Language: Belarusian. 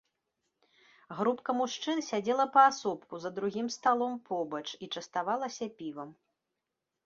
Групка мужчын сядзела паасобку за другім сталом побач і частавалася півам.